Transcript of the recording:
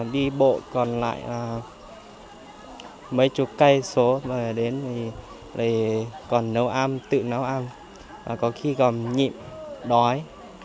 đi bộ còn lại là mấy chục cây số mà đến thì còn nấu ăn tự nấu ăn và có khi còn nhịn đói